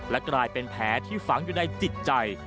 และกลายเป็นแผลที่ฝังอยู่ในจิตใจ